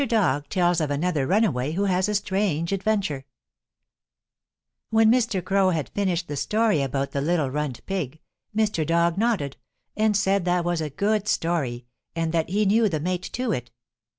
DOG TELLS OF ANOTHER RUNAWAY WHO HAS A STRANGE ADVENTURE When Mr. Crow had finished the story about the little runt pig Mr. Dog nodded and said that was a good story and that he knew the mate to it.